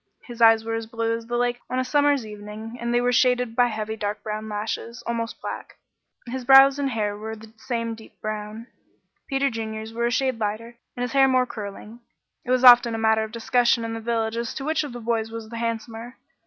His eyes were as blue as the lake on a summer's evening, and they were shaded by heavy dark brown lashes, almost black. His brows and hair were the same deep brown. Peter Junior's were a shade lighter, and his hair more curling. It was often a matter of discussion in the village as to which of the boys was the handsomer.